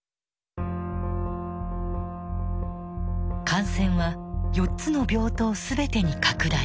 感染は４つの病棟全てに拡大。